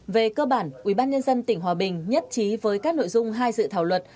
về cơ bản ubnd tỉnh hòa bình nhất trí với các nội dung hai dự thảo luật